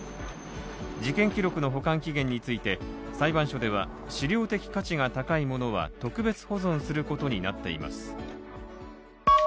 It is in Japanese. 事件記録の保管期限について裁判所では史料的価値が高いものは特別保存することになっています。